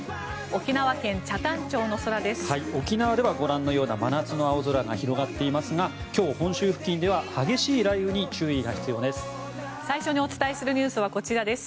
沖縄ではご覧のような真夏の青空が広がっていますが今日、本州付近では激しい雷雨に注意が必要です。